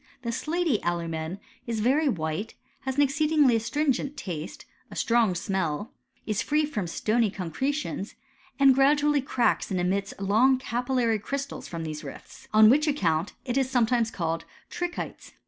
The slaty alumea is very white, has an exceedingly astringent taste, a strong smell, is free from stony concretions, and gradually cracks and emits long capillary crystals irotk these rifts ; on which account it is sometimes called trichiies.